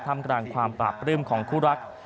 ทำกลางความปราบปลื้มของคู่รัก